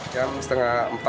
jam setengah empat